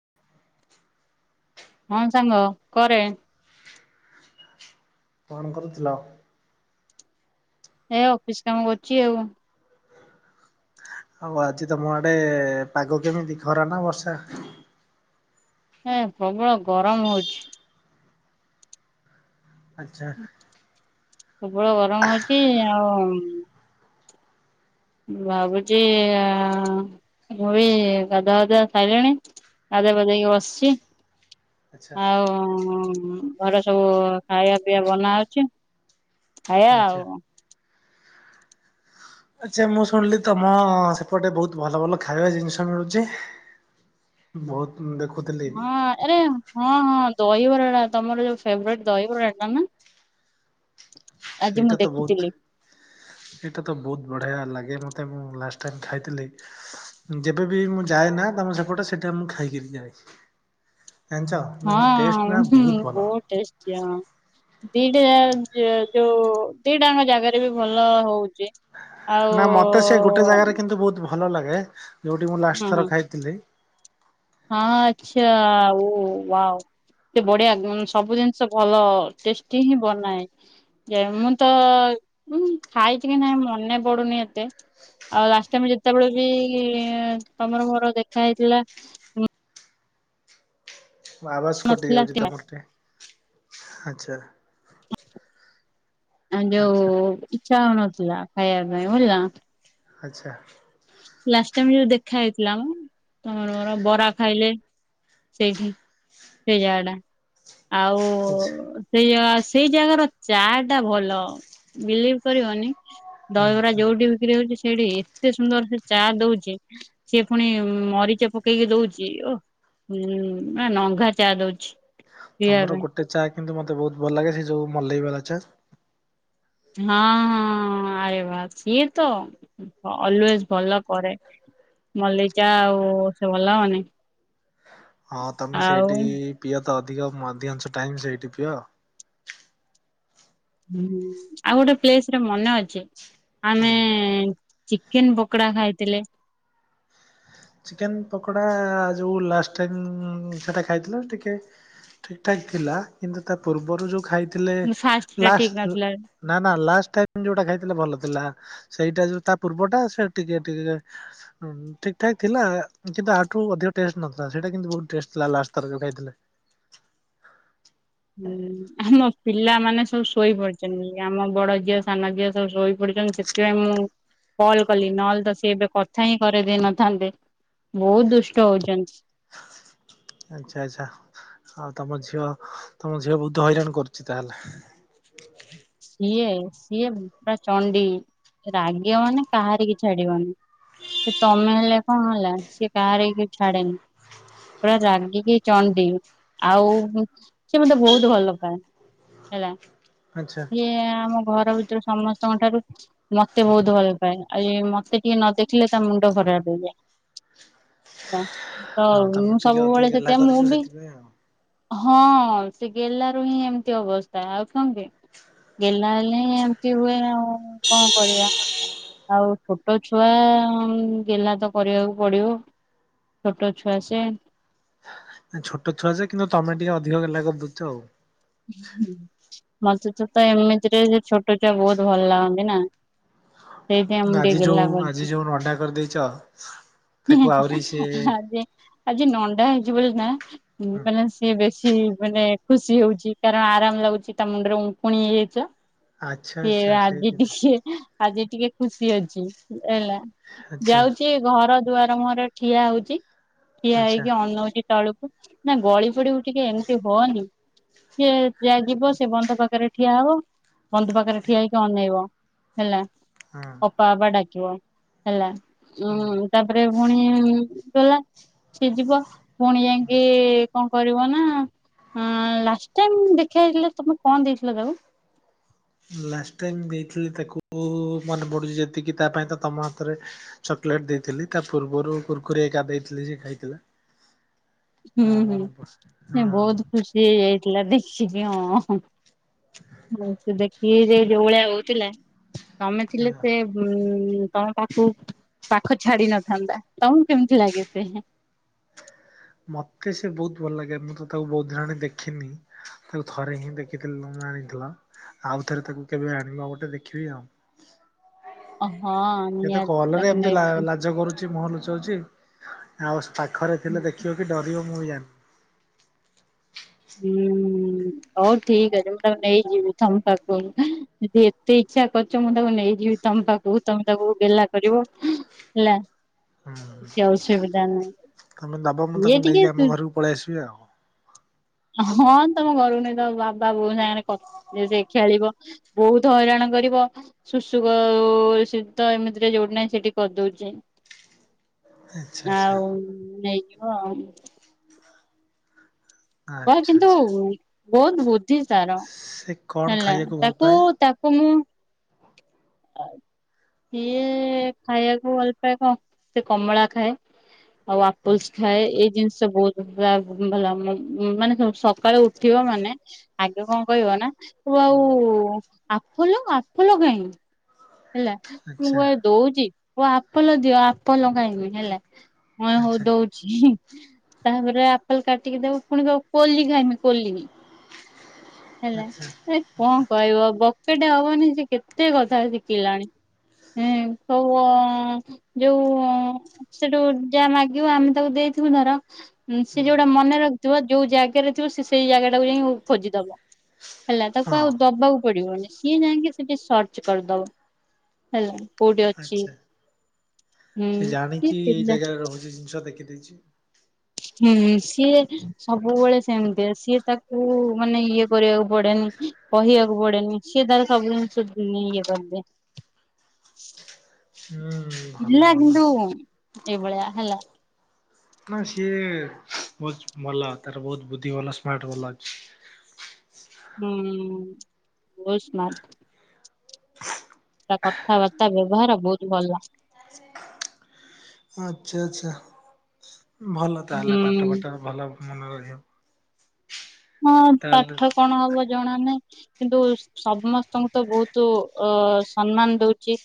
[inaudible] ହଁ ସାଙ୍ଗ କରେ। କଣ କରୁଥିଲ? ଏ ଅଫିସ୍ କାମ କରୁଚି ଆଉ। ହଉ ଆଜି ତମଆଡେ ପାଗ କେମିତି ଖରା ନା ବର୍ଷା? ହଁ ପ୍ରବଳ ଗରମ ହଉଛି। ଆଚ୍ଛା। ପ୍ରବଳ ଗରମ ହଉଚି ଆଉ ଭାବୁଚି ଆ ମୁଁବି ଗାଧୁଆ ପାଧୁଆ ସାଇଲିଣି ଗାଧେଇ ପାଧେଇକି ବସିଛି ଆଚ୍ଛା ଆଉ ଘରେ ସବୁ ଖାଇବା ପିଇବା ବନା ହଉଚି ଖାଇବା ଆଚ୍ଛା। ଆଉ। ଆଚ୍ଛା ମୁଁ ଶୁଣିଲି ତମ ସେପଟେ ବହୁତ ଭଲ ଭଲ ଖାଇବା ଜିନିଷ ମିଳୁଚି। ବହୁତ ମୁଁ ଦେଖୁ ହଁ ଆରେ ହଁ ହଁ ଦହିବରାଟା ତମର ଯୋଉ ଫେବରେଟ ଦହିବରାଟା ନା? ଚୁ ଚୁ ସେଇଟା ତ ବହୁତ ସେଇଟା ତ ବହୁତ ବଢିଆ ଲାଗେ ମତେ ମୁଁ ଲାଷ୍ଟ ଟାଇମ ଖାଇଥିଲି। ଯେବେବି ମୁଁ ଯାଏ ନା ତମ ସେପଟେ ସେଟା ମୁଁ ଖାଇକିରି ଯାଏ। ଜାଣିଚ ହଁ ଉହୁଁ ବହୁତ ଟେଷ୍ଟି ଆମ ଦିଟା ଯ ଯୋଉ ଦିଟାଙ୍କ ଜାଗାରେ ବି ଭଲ ହଉଚି ନା ମତେ ସେ ଗୋଟେ ଜାଗାରେ କିନ୍ତୁ ବହୁତ ଭଲ ଲାଗେ ଯୋଉଟି ମୁଁ ଲାଷ୍ଟ ହଁ ଥର ଖାଇଥିଲି। ହଁ ଆଚ୍ଛା ଓ ୱାଓ। ଏତେ ବଢିଆ ସବୁ ଜିନିଷ ଭଲ ଟେଷ୍ଟି ହିଁ ବନାଏ। ଯେ ମୁଁ ତ ମୁଁ ଖାଇଚି କି ନାଇଁ ମନେ ପଡୁନି ଏତେ। ଆଉ ଲାଷ୍ଟ ଟାଇମ ଯେତେବେଳେ ବି ତମର ମୋର ଦେଖା ହେଇଥିଲା ତମ ଆବାଜ କଟି ନଥିଲା ଯାଉଚି ଥିଲା, ତମରଟି ଆଚ୍ଛା। ଆ ଯଉ ଆଚ୍ଛା। ଇଚ୍ଛା ହଉନଥିଲା ଖାଇବା ପାଇଁ ବୁଝିଲ। ଆଚ୍ଛା ଲାଷ୍ଟ ଟାଇମ ଯୋଉ ଦେଖା ହେଇଥିଲା ମ ତମର ମୋର ବରା ଖାଇଲେ। ସେଇଠି ସେଇ ଜାଗାଟା ଆଚ୍ଛା ଆଉ ସେୟା ସେଇ ଜାଗାର ଚା ଟା ଭଲ ବିଲିଭ କରିବନି। ହୁଁ ଦହିବରା ହୁଁ ଯୋଉଠି ବିକ୍ରି ହଉଚି ସ ସେଇଠି ଏତେ ସୁନ୍ଦର ସେ ଚା ଦଉଚି। ସିଏ ପୁଣି ମରିଚ ପକେଇକି ଦଉଚି ଓ। ହୁଁ ନା ନଙ୍ଘା ଚା ଦଉଚି। ତମର ଗୋଟେ ଚା କିନ୍ତୁ ମତେ ବହୁତ ଭଲ ଲାଗେ ସେ ଯୋଉ ମଲେଇବାଲା ଚା। ହଁ ହଁ ଆରେ ବା ସିଏ ତ ଅଲୱେଜ ଭଲ କରେ। ମଲେଇ ଚା ଆଉ ସେ ଭଲ ହବନି ହଁ ତମେ ଆଉ ସେଇଠି ହୁଁ ପିଅ ତ ଅଧିକ ମଧ୍ୟାଂଶ ଟାଇମ୍ ସେଇଠି ପିଅ। ହୁଁ ଆଉ ଗୋଟେ ପ୍ଲେସରେ ମନେ ଅଛି ହୁଁ ଆମେ ଚିକେନ ପକଡା ଖାଇଥିଲେ ଚିକେନ ପକୋଡା ଯଉ ଲାଷ୍ଟ ଟାଇମ୍ ସେଟା ଖାଇଥିଲେ ଟିକେ ଠିକଠାକ ଥିଲା କିନ୍ତୁ ତା ପୂର୍ବରୁ ଯୋଉ ଖାଇଥିଲେ ଫାଷ୍ଟ ଟା ଠିକ ଲାଷ୍ଟ ଉଁ ନଥିଲା ନା ନା ଲାଷ୍ଟ ଟାଇମ୍ ଯୋଉଟା ଖାଇଥିଲେ ଭଲ ଥିଲା ସେଇଟା ଯୋଉ ତା ପୂର୍ବଟା ସେ ଟିକେ ଟିକେ ହୁଁ ଠିକ୍ ଠାକ୍ ଥିଲା କିନ୍ତୁ ଆଠୁ ଅଧିକ ଟେଷ୍ଟ ନଥିଲା ସେଇଟା କିନ୍ତୁ ବହୁତ ଟେଷ୍ଟ ଥିଲା ଲାଷ୍ଟଥର ଯୋଉ ଖାଇଥିଲେ। ହୁଁ ଆମ ପିଲାମାନେ ସବୁ ଶୋଇ ପଡିଚନି ଆମ ବଡ ଝିଅ ସାନ ଝିଅ ସବୁ ଶୋଇ ପଡିଚନ୍ତି ସେଥିପାଇଁ ମୁଁ କଲ କଲି ନହେଲେ ତ ସେ ଏବେ କଥା ହିଁ କରେଇଦେଇ ନଥାନ୍ତେ ବହୁତ ଦୁଷ୍ଟ ହଉଚନ୍ତି। ଆଚ୍ଛା ଆଚ୍ଛା। ଆଉ ତମ ଝିଅ ତମ ଝିଅ ବହୁତ ହଇରାଣ କରୁଛି ତାହେଲେ। ଓ [unintelligible] ସିଏ ସିଏ ପୁରା ଚଣ୍ଡି ରାଗିବ ମାନେ କାହାରି କି ଛାଡିବନି। ସେ ତମେ ହେଲେ କଣ ହେଲା ସିଏ କାହାରି କି ଛାଡେନି। ରାଗିକି ଚଣ୍ଡୀ ଆଉ ସିଏ ମତେ ବହୁତ ଭଲ ପାଏ। ହେଲା ଆଚ୍ଛା। ସିଏ ଆମ ଘର ଭିତରୁ ସମସ୍ତଙ୍କ ଠାରୁ ମତେ ବହୁତ ଭଲ ପାଏ ଆଉ ମତେ ଟିକେ ନ ଦେଖିଲେ ତା ମୁଣ୍ଡ ଖରାପ ହେଇଯାଏ। ତ ହଁ ତମେ ମୁଁ ଟିକେ ଅଧିକ ସବୁବେଳେ ଗେହ୍ଲା ସେତବେ ମୁଁ କରିଛ ବି ସେଥିପାଇଁ ଆଉ। ହଁ ସେ ଗେଲାରୁ ହିଁ ଏମିତି ଅବସ୍ଥା ଆଉ କଣ କି। ଗଲା ହେଲେ ହିଁ ଏମତି ହୁଏ ଆଉ କଣ କରିବା। ଆଉ ଛୋଟ ଛୁଆ ଗେଲ୍ହା ତ କରିବାକୁ ପଡିବ। ଛୋଟ ଛୁଆ ସିଏ। ଛୋଟ ଛୁଆା କିନ୍ତୁ ତମେ ଟିକେ ଅଧିକ ଗେଲ୍ହା କରିଦାଉଚ୍ ଆଉ। ମତେ ତ ତ ଏମିତିରେ ଯେ ଛୋଟ ଛୁଆ ବହୁତ ଭଲ ଲାଗନ୍ତି ନା। ସେଇଥିପାଇଁ ମୁଁ ଟିକେ ଆଜି ଗେହ୍ଲା ଯୋଉ କରିଛି। ଆଜି ଯୋଉ ନଣ୍ଡା କରିଦେଇଛ। ତାକୁ ଆହୁରି ସେ ଆଜି ଆଜି ନଣ୍ଡା ହେଇଛି ବୋଲି ନା ମାନେ ସିଏ ବେଶୀ ମାନେ ଖୁସି ହଉଛି। କାରଣ ଆରାମ ଲାଗୁଛି ତା ମୁଣ୍ଡରେ ଉକୁଣି ହେଇଯାଇଛି ଆଚ୍ଛା ଆଚ୍ଛା ସ ସେଇଥିପାଇଁ ଆଜି ଆଜି ଟିକେ ଖୁସି ଅଛି ହେଲା ଆଚ୍ଛା ଯାଉଛି ଘର ଦୁଆର ମୁହଁରେ ଠିଆ ହଉଛି ଠିଆ ଆଚ୍ଛା ହେଇକି ଅନୋ ଉଛି। ତେଳକୁ ନା ଗଳି ପୋଡିିବ ଟିକେ ଏମିତି ହୋନୀ। ସିଏ ଯାହା ଯିବ ସିଏ ବନ୍ଧ ପାଖରେ ଠିଆ ହବ ବନ୍ଧ ପାଖରେ ଠିଆ ହେଇକି ଅନେଇବ। ହେଲା। ହଁ। ବା ବା ଡାକିବ ହେଲା ହୁଁ ତାପରେ [unintelligible] ଗଲା ସି ଯିବ ଭଉଣୀ ଯାଇକି କଣ କରିବ ନା ଲାଷ୍ଟ ଟାଇମ ଦେଖାଥିଲେ ତମେ କଣ ଦେଇଥିଲ ତାକୁ। ଲାଷ୍ଟ ଟାଇମ୍ ଦେଇଥିଲି ତାକୁ ମନେ ପଢଡ଼ୁଛି ଯେତିକି ତା ପାଇଁ ତ ତମ ହାତରେ ଚକୋଲେଟ ଦେଇଥିଲି ତା ପୂର୍ବରୁ କୁର୍କୁରେ ଏକା ଦେଇଥିଲି ସେ ଖାଇଥିଲା। ହୁଁ ହଁ ହୁଁ ମନେ ପଡୁ ସେ ବହୁତ ଖୁସି ହେଇ ଯାଇଥିଲା ଦ ହଁଉ ସେ ଦେଖିକି ଯ ଯୋଉ ଭଳିଆ ହଉଥିଲା। ତମେ ଥିଲେ ହଁ। ସେ ଉୁଁ ତମ ତାକୁ ପାଖ ଛାଡି ନଥାନ୍ତା ତମକୁ କେମିତି ଲାଗେ ସେ ମତେ ସେ ବହୁତ ଭଲ ଲାଗେ ମୁଁ ତ ତାକୁ ବହୁଦ୍ଧ ଦିନ ଦେଖିନି। ତାକୁ ଥରେ ହିଁ ଦେଖିଥିଲି ମୁଁ ଆଣିଥିଲ ଆଉ ଥରେ ତାକୁ କେବେ ଆଣିବ ଗୋଟେ ଦେଖିବି ଆଉ। ହଁ। ସେତ ନିହାତି କଲ ରେ ତାକୁ ଏମିତି ନେବି ଲାଜ କରୁଛି। ମୁହଁ ଲୁଚାଉଛି ଆଉ ପାଖରେ ଥିଲେ ଦେଖିବ କି ଡରିବ ମୁଁ ବି ଜାଣିି। ଉମ୍ ହଉ ଠିକ ଅଛି [unintelligible] ନେଇଯିବି ଥମ ପାାଖ ଯଦି ଏତେ ଇଛା କରିଛ ମୁଁ ତାକୁ ନେଇଯିବି ତମ ପାଖକୁ ତମେ ତାକୁ ଗେଲା କରିବ। ହେଲା ହୁଁ କିଛି ଅସୁବିଧା ନାହିଁ ଇଏ ଟିକେ ପଳଆସିବି ଆଉ। ହଁ ତମ ଘରୁକୁ ନେଇ ତ ବାବା ବୋଉ ସାଙ୍ଗ ସେ ଖେଳିବ। ବହୁତ ହଇରାଣ କରିବ। ସୁଶୁ ଶେ ତ ଏମିତିରେ ଯୋଉଠି ନାହିଁ ସେଠି କରିଦଉଛି। ଆଚ୍ଛା ଆଚ୍ଛା ଆଉ ନେଇଯିବ ଆଉ। ବା ଆଚ୍ଛା କିନ୍ତୁ ଆଚ୍ଛା ବହୁତ୍ ବୁଦ୍ଧି ତାର। ସେ କଣ ହେଲା ଖାଇବାକୁ ଭଲ ତାକୁ ପାଏ? ତାକୁ ମୁଁ ସିଏ ଖାଇବାକୁ ଭଲ ପାଏ କଁ ସେ କମଳା ଖାଏ। ଆଉ ଆପଲସ ଖାଏ ଏଇ ଜିନିଷ ବହୁତ୍ [unintelligible] ମାନେ ସକାଳେ ଉଠିବ ମାନେ ଆଗେ କଁ କହିବନା କହିବ ଆଉ ଆପ୍ ଫୁଲ ଆଫଲେ କାଇଁ। ହେଲା ମୁଁ ଆଚ୍ଛା କଏ ଦଉଚି କଇଁବ ଆପଲ ଦିଅ ଆପଲ କାଇଁବି ହେଲା। ହଁ ଆଚ୍ଛା ହଉ ଦଉ ହୁ ତାପରେ ଆପଲ କାଟିକି ଦବ ପୁଣି କଁ କୋଲି ଖାଇମିନ୍ କୋଲି ହେଲା ଆଚ୍ଛା ଏ କଁ କହିବ ବକେଟେ ହବନି ସେକେତେ କଥା ଶିକ୍ କିଲାଣି ଏଁ କୋଉ ହଁ ଯୋଉ ସେଠୁ ଯାହା ମାଗିବ ଆମେ ତାକୁ ଦେଇଥିବୁ ଧର ସେ ଯୋଉଟା ମନେ ରଖିଥିବ ଯୋଉ ଜାଗାରେ ଥିବ ସେସେଇ ଜାଗାଟାକୁ ଯାଇ ଖୋଜିଦବ। ହେଲା ତାକୁ ହଁ ଆଉ ଦବାକୁ ପଡ଼ିବନି ସିଏ ଯାଇକି ସେଠି ସର୍ଚ୍ଚ କରିଦବ। ହେଲା କୋଉଠି ଅଛି। ଆଚ୍ଛା। ସେ ହୁଁ କି ଜାଣିଚି ଏଇ ପିଲା ଜାଗାରେ ରହୁଚି ଜିନିଷ ଦେଖି ଦେଇଚି। ଉମ୍ ସିଏ ସବୁବେଳେ ସେମିତିଆ ସିଏ ତାକୁ ମାନେ ଇଏ କରିବାକୁ ପଡ଼େନି କହିବାକୁ ପଡ଼େନି। ସିଏ ତାର ସବୁ ଜିନିଷ ନି ଇଏ କରିଦିଏ। ହୁଁ। ଭଲ ପିଲା କିନ୍ତୁ ଭଲ। ଏଭଳିଆ ହେଲା। ନା ସିଏ ବହୁତ୍ ଭଲ ତାର ବହୁତ୍ ବୁଦ୍ଧି ଭଲ ସ୍ମାର୍ଟ ଭଲ ଅଛି। ହୁଁ ବହୁତ୍ ସ୍ମାର୍ଟ। ତା କଥାବାର୍ତ୍ତା ବ୍ୟବହାର ବହୁତ୍ ଭଲ। [inaudible] ଆଚ୍ଛା ଆଚ୍ଛା ଭଲ ହୁଁ ତାହେଲେ ପାଠ ପଠରେ ଭଲ ମନେ ରହିବ। ହଁ ତାହେଲେ ପାଠ କଣ ହବ ଜଣନାହିଁ କିନ୍ତୁ ସମସ୍ତଙ୍କୁତ ବହୁତ୍ ଅ ସମ୍ମାନ ଦଉଚି।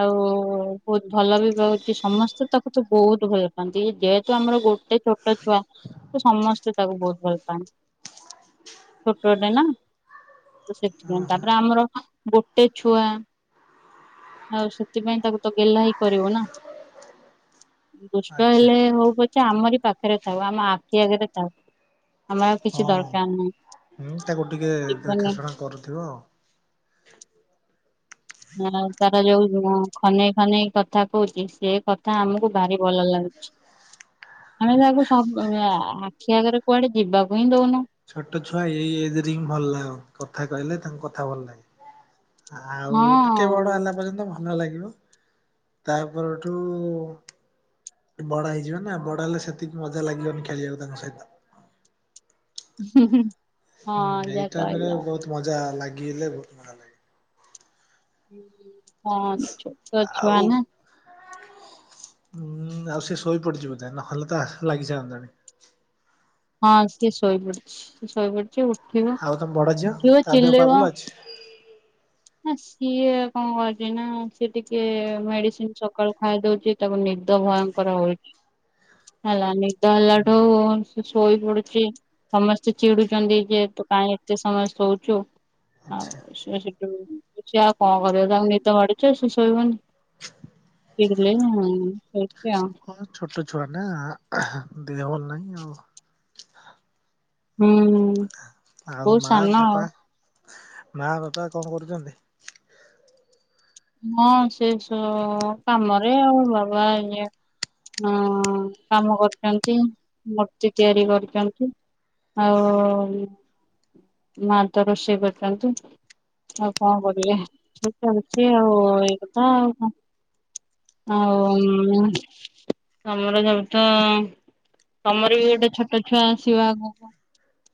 ଆଉ ବହୁତ୍ ଭଲବି ପାଉଚି ସମସ୍ତେ ତାକୁତ ବହୁତ ଭଲ ପାହାନ୍ତି ଇଏ ଯେହେତୁ ଆମର ଗୋ ଏଇ ଛୋଟ ଛୁଆ ତସମସ୍ତେ ତାକୁ ବହୁତ୍ ଭଲ ପାଆନ୍ତି। ଛୋଟଟେନା ସେଥିପାଇଁ ଓହୋ ତାପରେ ଆମର ଗୋଟେ ଛୁଆ। ଆଉ ସେଥିପାଇଁ ତାକୁତ ଗେହ୍ଲାହି କରିବୁନା ଦୁଷ୍ଟ ଆଚ୍ଛା। ହେଲେ ହଉ ପ ସେଆମରି ପାଖରେ ଥାଉ ଆମ ଆଖି ଆଗରେ ଥାଉ ଆମ ହଁ ଉମ୍ ତାକୁ ଟିକେ ଜୀବନ ଦେଖାଶୁଣା କରୁଥିବ। ହଁ ତାର ଯୋଉ ଖନେଇ ଖନେଇ କଥା କହୁଚି ସେକଥା ଆମକୁ ଭାରି ଭଲ ଲାଗୁ ଆମେ ତାକୁ ସ ଆଁ ଆଖି ଆଗରେ କୁଆଡ଼େ ଯିବାକୁହିଁ ଦଉନୁ। ଛୋଟ ଛୁଆ ଏଇ ଏଜ୍ରେହିଁ ଭଲ ଲାଗ କଥା କହିଲେ ତାଙ୍କ କଥା ଭଲ ଲାଗେ। ଆଉ ଟିକେ ବଡ଼ ହଁ ହେଲା ପର୍ଯ୍ୟନ୍ତ ଭଲ ଲାଗିବ ତା ପରଠୁ ବଡ଼ ହେଇଯିବନା ବଡ଼ ହେଲେ ସେତିକି ମଜା ଲାଗିବନି ଖେଳିବାକୁ ତାଙ୍କ ସହିତ। ହୁଁ ହୁଁ। ହୁଁ ଏଇ ଟାଇମରେ ବହୁତ୍ ମଜା ଲାଗଲେ ବହୁତ୍ ମଜା ଲାଗେ। ହଁ ଛୋଟ ଛୁଆନା। ଉୁଁ ଆଉ ସେଶୋଇ ପଡ଼ିଚି ବୋଧେ ନହେଲେତ ଲାଗିସାରିତାନି। ହଁ ସିଏ ଶୋଇପଡଛି ଶୋଇ ପଡ଼ିଚି ଉଠିବ ଆଉ ତମ ବଡ ଝିଅ ଉଠିବ ତା ଦେହ ପା ଭଲ ଚିଲେଇବ ଅଛି? ନା ସିଏ କଣ କରୁଚି ନା ସିଏ ଟିକେ ମେଡିସିନ୍ ସକାଳୁ ଖାଇଦଉଚି। ତାକୁ ନିଦ ଭୟଙ୍କର ହଉ ଛି। ହେଲା ନିଦ ହେଲା ଠୁ ସେ ଶୋଇ ପଡୁଛି ସମସ୍ତେ ଚିଡୁଚନ୍ତି ଯେ ତୁ କାହିଁ ଏତେ ସମୟ ଶୋଉଛୁ। ଆଚ୍ଛା ଆଉ ସେ ସେଠୁ ସିଏ ଆଉ କଣ କରିବ ତାଙ୍କୁ ନିଦ ମାଡୁଚି ସେ ଶୋଇବନି ପିଇକି ପିଲେଇ ମୋ ଶୋଇଛି ଆଉ। ହଁ ଛୋଟ ଛୁଆ ନା ଆହୋ ଦେହ ଭଲ ନାହିଁ ଆଉ। ହୁଁ ଆଉ ବହୁତ ମା ସାନ ବାପା ଆଉ ମା ବାପା କଣ କରୁଚନ୍ତି? ହଁ ସେ ସୋ- କାମରେ ଆଉ ବାବା ଇଏ ହଁ କାମ କରୁଛନ୍ତି। ମୂର୍ତ୍ତି ତିଆରି କରିଛନ୍ତି। ଆଉ ଉଁ, ମା ତ ରୋଷେଇ କରୁଛନ୍ତି। ଆଉ କଣ କରିବେ? [inaudible] ସେ ଆଉ ଏଇ କଥା ଆଉ କଣ। ଆଉ [unintelligible] ଆମର ଯୌଥ ତୋମର ବି ଗୋଟେ ଛୋଟ ଛୁଆ ଆସିବ ଆଗକୁ।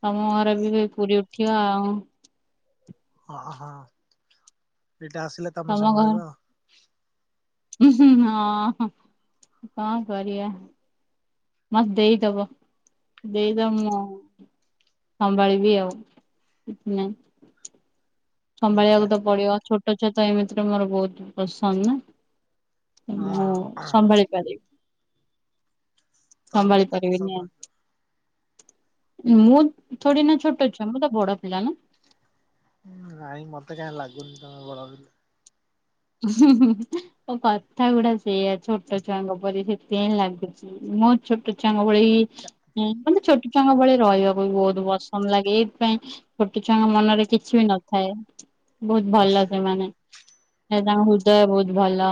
ତୋମ ଘରେ ବି [unintelligible] ପୁରି ଉଠିବ। ହଁ, ହଁ ଏଇଟା ଆସିଲେ ତୋମେ ତମ ଘର ସମ୍ଭାଳିବ। [unintelligible] ହଁ, ହଁ କଣ କରିବା? ମୋତ ଦେଇଦବ ଦେଇଦବ ମୁଁ ସମ୍ଭାଳିବି ଆଉ କିଛି ନାହିଁ। ଆଚ୍ଛା ସମ୍ଭାଳିବାକୁ ତ ପଡିବ। ଛୋଟ ଛୁଆ ତ ଏମିତିରେ ମୋର ବହୁତ ପସନ୍ଦ। ହଁ ମୁଁ ହଁ। ସମ୍ଭାଳି ପାରିବି। ତମେ ସମ୍ଭଳି ତାକୁ ପାରିବିନି ସମ୍ଭାଳିବ [unintelligible] ମୁଁ ଥୋଡି ନା ଛୋଟ ଛୁଆ, ମୁଁ ତ ବଡ ପିଲା ନା? ଉଁ, ନାଇଁ ମୋତେ କାଇଁ ଲାଗୁନି ତୋମେ ବଡ ପିଲା। ତୋମ କଥା ଗୁଡା ସେଇଆ ଛୋଟ ଛୁଆଙ୍କ ପରି ସେଥିପାଇଁ ଲାଗୁଛି। ମୋ ଛୋଟ ଛୁଆଙ୍କ ଭଳି ଚା ହଁ ତ ମୋତେ ଛୋଟ ଛୁଆଙ୍କ ଭଳି ରହିବାକୁ ବି ବହୁତ ପସନ୍ଦ ଲାଗେ। ଏଇଥିପାଇଁ ଛୋଟ ଛୁଆଙ୍କ ମନରେ କିଛି ବି ନଥାଏ ବହୁତ ଭଲ ସେମାନେ। ସେ ତାଙ୍କ ହୃଦୟ ବହୁତ ଭଲ।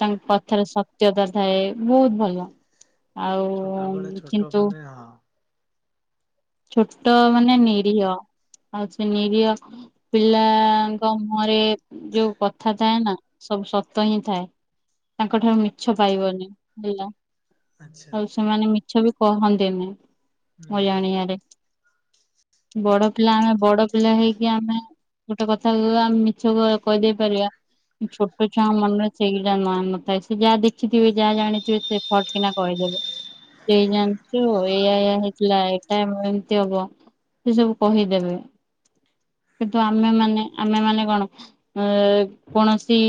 ତାଙ୍କ କଥାରେ ସତ୍ୟତା ଥାଏ। ବହୁତ ଭଲ। ଆଉ ଉଁ, କିନ୍ତୁ ଏ ହଁ। ଛୋଟ ମାନେ ନିରୀହ। ଆଉ ସେ ନିରୀହ ପିଲାଙ୍କ ମୁହଁରେ ଯୋଉ କଥା ଥାଏ ନା ସବୁ ସତ ହିଁ ଥାଏ। ତାଙ୍କ ଠାରୁ ମିଛ ପାଇବନି ହେଲା। ଆଚ୍ଛା ଆଚ୍ଛା। ଆଉ ସେମାନେ ମିଛ ବି କହନ୍ତିନି ହୁଁ ମୋ ହୁଁ ଜାଣିବାରେ। ବଡ ପିଲା ଆମେ ବଡ ପିଲା ହେଇକି ଆମେ ଗୋଟେ କଥା କୁ ଆମେ ମିଛକୁ କହିଦେଇ ପାରିବା। ଛୋଟ ଛୁଆ ମନରେ ସେଇଟା ନା ନଥାଏ। ସେ ଯାହା ଦେଖିଥିବେ ଯାହା ଜାଣିଥିବେ ସେ ଫଟ କିନା କହିଦେବେ ଏଇ ଜାଣିଛୁ ଏଇଆ ଏଇଆ ହେଇଥିଲା। ଏଟା ମୁଁ ଏମତି ହବ ସେ ସବୁ କହିଦେବେ। କିନ୍ତୁ ଆମେମାନେ ଆମେମାନେ କଣ ଅ କୌଣସି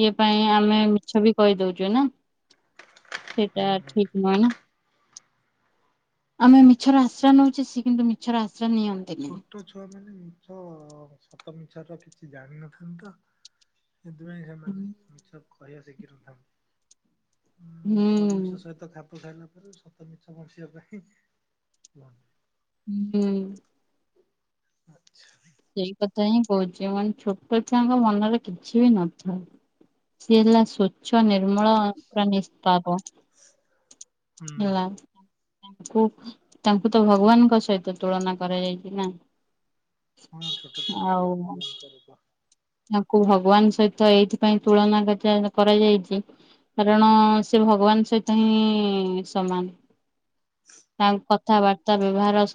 ଇଏ ପାଇଁ ଆମେ ମିଛ ବି କହିଦଉଛୁ ନା ଖୁଖୁ ସେଟା ଠିକ୍ ନୁହେଁ ନା ଆମେ ମିଛର ଆସ ଆଶ୍ରା ନେଉଛି ସେଏ କିନ୍ତୁ ମିଛର ଆଶ୍ରୟ ନିଅନ୍ତି ଛୋଟ ଛୁଆ ମାନେ ମିଛ ସତ ମିଛ ର କିଛି ଜାଣିନଥାନ୍ତି ତ ସେଥିପାଇଁ ସେମାନେ ମିଛ କହିବା ଶିଖିନଥାନ୍ତି ଉଁ ହୁଁ ପରିବେଶ ସହିତ ଖାପ ଖାଇଲା ପରେ ସବୁ ପେଟ ପୋସିବା ପାଇଁ ହୁଁ ଆଚ୍ଛା ସେଇ କଥା ହିଁ କହୁଛି ମାନେ ଛୋଟ ଛୁଆଙ୍କ ମନରେ କିଛି ବି ନଥାଏ ସିଏ ହେଲା ସ୍ଵଚ୍ଛ ନିର୍ମଳ ନିଷ୍ପାପ ହୁଁ ହେଲା ତାଙ୍କୁ ତାଙ୍କୁ ତ ଭଗବାନଙ୍କ ସହିତ ତୁଳନା କରାଯାଇଛି ନା ହଁ ଛୋଟ ଛୋଟ ଆଉ ବହୁ ନନ କର ତାଙ୍କୁ ଭଗବାନଙ୍କ ସହିତ ଏଇଥିପାଇଁ ତୁଳନା କ କରାଯାଇଛି ହୁଁ। କାରଣ ସେ ଭଗବାନ୍ ସହିତ ହିଁ ସମାନ ତାଙ୍କ କଥାବାର୍ତ୍ତା ବ୍ୟବହାର ସବୁ